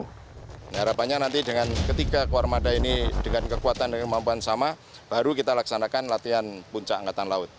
harapannya nanti dengan ketika ke armada ini dengan kekuatan dan kemampuan sama baru kita laksanakan latihan puncak angkatan laut